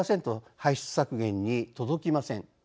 排出削減に届きません。